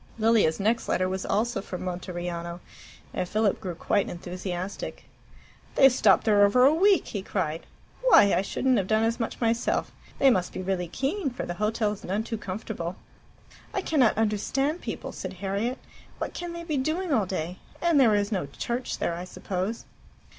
Lilia's next letter was also from Monteriano, and Philip grew quite enthusiastic. "They've stopped there over a week!" he cried. "Why! I shouldn't have done as much myself. They must be really keen, for the hotel's none too comfortable." "I cannot understand people," said Harriet. "What can they be doing all day? And there is no church there, I suppose."